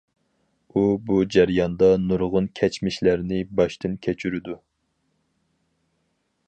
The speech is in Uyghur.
ئۇ بۇ جەرياندا نۇرغۇن كەچمىشلەرنى باشتىن كەچۈرىدۇ.